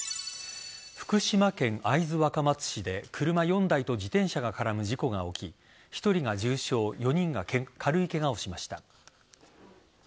福島県会津若松市で車４台と自転車が絡む事故が起き１人が重傷４人が軽いケガをしました。